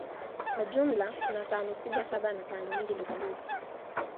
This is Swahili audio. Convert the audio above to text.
Kwa jumla, kuna sahani kubwa saba na sahani nyingi ndogondogo.